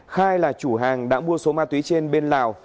khai là chủ hàng đã mua số ma túy trên bên lào